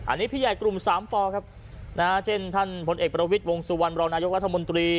อันนี้พี่ใหญ่กลุ่มสามปครับนะฮะเช่นท่านผลเอกประวิทย์วงสุวรรณรองนายกรัฐมนตรี